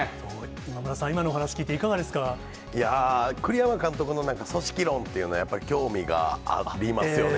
今村さん、今のお話聞いてい栗山監督の組織論っていうの、やっぱり興味がありますよね。